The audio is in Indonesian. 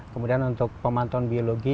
kemudian untuk pemantauan biologi